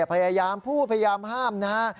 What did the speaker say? พยายามพูดพยายามห้ามนะฮะ